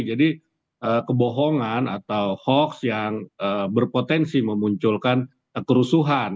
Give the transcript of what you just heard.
jadi kebohongan atau hoax yang berpotensi memunculkan kerusuhan